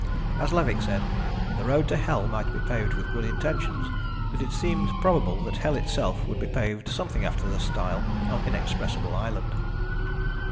As Levick said, "the road to hell might be paved with good intentions, but it seemed probable that hell itself would be paved something after the style of Inexpressible Island."